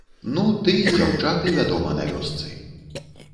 Ну, ты й дзяўчаты, вядома, на вёсцы.